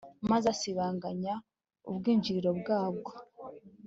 maze asibanganya ubwinjiriro bwabwo